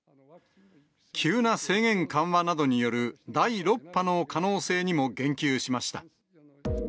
急な制限緩和などによる第６波の可能性にも言及しました。